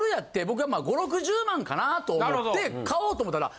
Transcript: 僕はまあ５０６０万かな？っと思って買おうと思ったら。